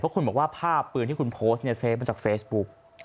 เพราะคุณบอกว่าภาพปืนที่คุณโพสต์เซฟมาจากเฟซบุ๊ก